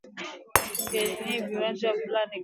Tutengenezeni viwanja Mvula ina tafuta kwanza